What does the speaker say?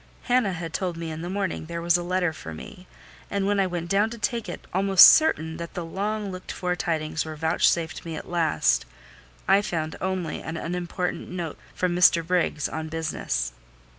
Hannah had told me in the morning there was a letter for me, and when I went down to take it, almost certain that the long looked for tidings were vouchsafed me at last, I found only an unimportant note from Mr. Briggs on business.